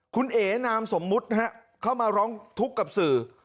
คุณเอ๋นามสมมุติเข้ามาร้องทุกข์กับสื่อ